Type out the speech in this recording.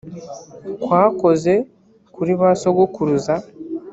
kwakoze kuri ba sogokuruza